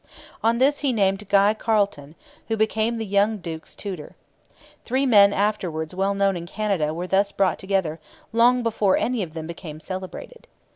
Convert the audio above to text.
On this he named Guy Carleton, who became the young duke's tutor. Three men afterwards well known in Canada were thus brought together long before any of them became celebrated.